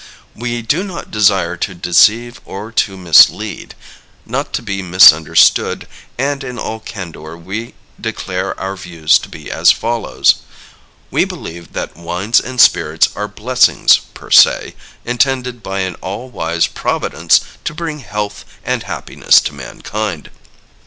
We do not desire to deceive or to mislead, nor to be misunderstood, and in all candor we declare our views to be as follows: We believe that wines and spirits are blessings per se, intended by an All wise Providence to bring health and happiness to mankind.